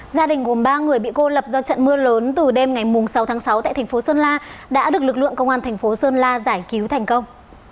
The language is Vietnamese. gia đình gồm ba người bị cô lập do trận mưa lớn từ đêm ngày sáu tháng sáu tại thành phố sơn la đã được lực lượng công an thành phố sơn la giải cứu thành công